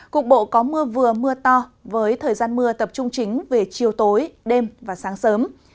cục bộ có mưa vừa mưa to với thời gian mưa tập trung chính về chiều tối đêm và sáng sớm